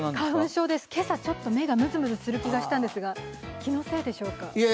花粉症です、今朝、ちょっとむずむずする気がしたんですが気のせいでしょうか？